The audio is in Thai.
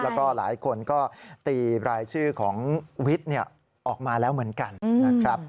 แล้วก็หลายคนก็ตีรายชื่อของวิทย์ออกมาแล้วเหมือนกันนะครับ